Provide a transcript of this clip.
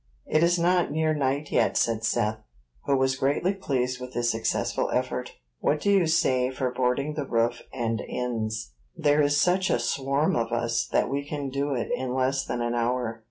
"It is not near night yet," said Seth, who was greatly pleased with his successful effort; "what do you say for boarding the roof and ends? there is such a swarm of us that we can do it in less than an hour."